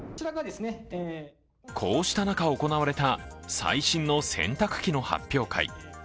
こうした中、行われた最新の洗濯機の発表会。